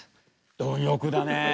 貪欲だね。